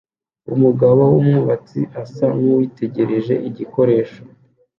Umugabo wubwubatsi asa nkuwitegereje igikoresho